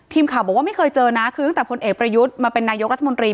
ทีมข่าวบอกว่าไม่เคยเจอนะคือตั้งแต่พลเอกประยุทธ์มาเป็นนายกรัฐมนตรี